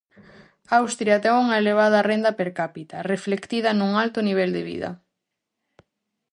Austria ten unha elevada renda per cápita, reflectida nun alto nivel de vida.